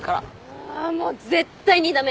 うわもう絶対に駄目。